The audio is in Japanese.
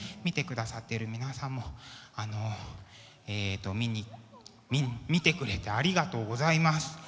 見てくださってる皆さんもあのえと見てくれてありがとうございます。